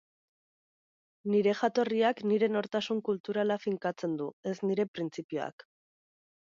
Nire jatorriak nire nortasun kulturala finkatzen du, ez nire printzipioak.